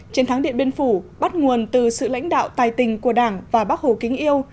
chiến thắng điện biên phủ bắt nguồn từ sự lãnh đạo tài tình của đảng và bác hồ kính yêu